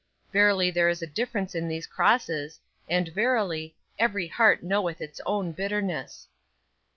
Verily there is a difference in these crosses, and verily, "every heart knoweth its own bitterness."